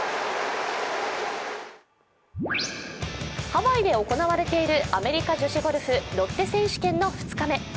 ハワイで行われているアメリカ女子ゴルフ、ロッテ選手権の２日目。